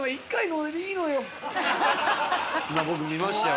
今僕見ましたよ